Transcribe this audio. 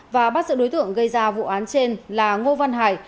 và bắt giữ đối tượng gây ra vụ án trên là ngô văn hải